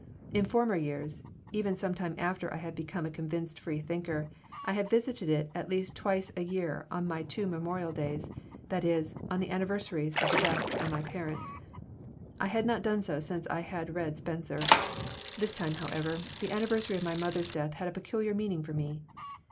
In former years, even some time after I had become a convinced free thinker, I had visited it at least twice a year on my two memorial days that is, on the anniversaries of the death of my parents. I had not done so since I had read Spencer. This time, however, the anniversary of my mother's death had a peculiar meaning for me.